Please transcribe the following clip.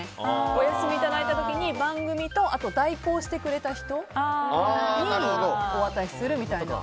お休みいただいた時に番組と、代行してくれた人にお渡しするみたいな。